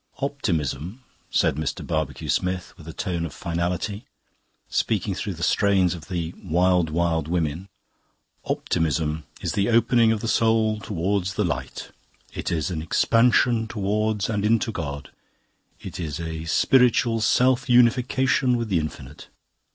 "Optimism," said Mr. Barbecue Smith with a tone of finality, speaking through strains of the "Wild, Wild Women" "optimism is the opening out of the soul towards the light; it is an expansion towards and into God, it is a h piritual self unification with the Infinite."